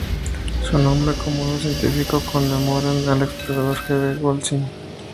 Su nombre común y científico conmemoran al explorador G. B. Gosling.